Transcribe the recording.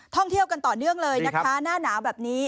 ท่องเที่ยวกันต่อเนื่องเลยนะคะหน้าหนาวแบบนี้